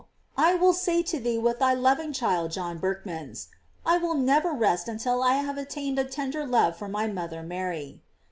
I will say to thee with thy loving child John Berchmans: "I will never rest until I have attained a tender love for my mother Mary."